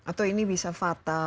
atau ini bisa fatal